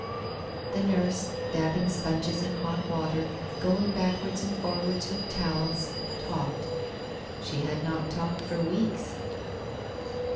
The nurse, dabbling sponges m hot water, going backwards and forwards with towels, talked. She had not talked for weeks.